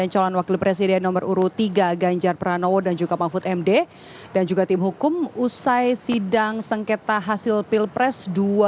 nomor uruh tiga ganjar pranowo dan juga mahfud md dan juga tim hukum usai sidang sengketa hasil pilpres dua ribu dua puluh empat